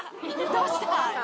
どうした！？」。